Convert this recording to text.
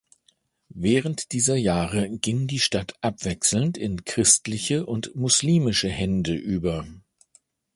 Während dieser Jahre ging die Stadt abwechselnd in christliche und muslimische Hände über.